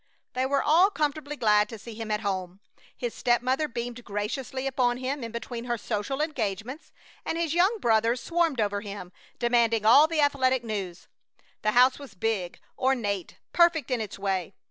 They were all comfortably glad to see him at home. His stepmother beamed graciously upon him in between her social engagements, and his young brothers swarmed over him, demanding all the athletic news. The house was big, ornate, perfect in its way.